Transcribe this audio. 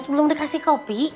belum dikasih kopi